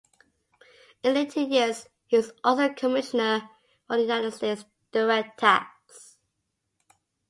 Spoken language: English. In later years he was also commissioner for the United States direct tax.